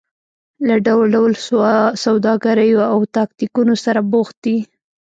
له ډول ډول سوداګریو او تاکتیکونو سره بوخت دي.